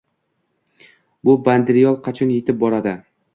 Bu banderol qachon yetib boradi?